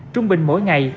trung bình mỗi ngày